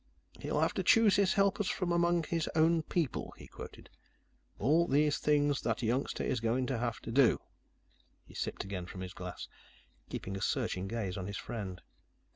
"'He'll have to choose his helpers from among his own people,'" he quoted. "'All these things, that youngster is going to have to do.'" He sipped again from his glass, keeping a searching gaze on his friend.